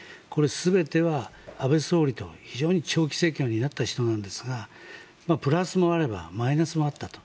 これ全ては安倍総理非常に長期政権を担った人なんですがプラスもあればマイナスもあったと。